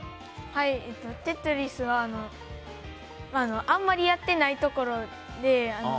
はい、「テトリス」はあんまりやっていないところで。